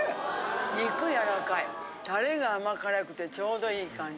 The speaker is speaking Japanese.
肉やらかいタレが甘辛くてちょうどいい感じ。